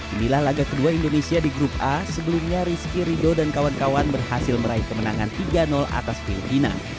inilah laga kedua indonesia di grup a sebelumnya rizky rido dan kawan kawan berhasil meraih kemenangan tiga atas filipina